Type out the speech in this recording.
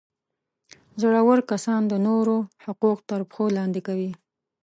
زورور کسان د نورو حقوق تر پښو لاندي کوي.